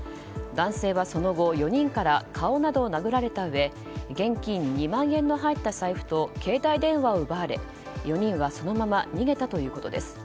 男性は、その後４人から顔などを殴られたうえ現金２万円の入った財布と携帯電話を奪われ４人はそのまま逃げたということです。